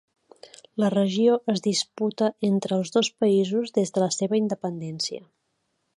La regió es disputa entre els dos països des de la seva independència.